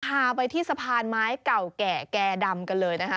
พาไปที่สะพานไม้เก่าแก่แก่ดำกันเลยนะคะ